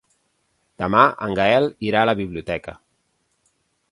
Demà en Gaël irà a la biblioteca.